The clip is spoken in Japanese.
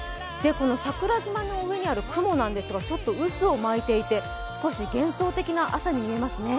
桜島の上にある雲なんですが、ちょっと渦を巻いていて少し幻想的な朝に見えますね。